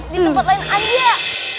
di tempat lain aja